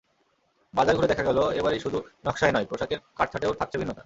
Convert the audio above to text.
বাজার ঘুরে দেখা গেল, এবার শুধু নকশাই নয়, পোশাকের কাটছাঁটেও থাকছে ভিন্নতা।